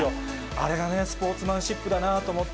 あれがね、スポーツマンシップだなと思って。